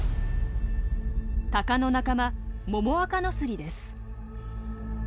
タカの仲間モモアカノスリです。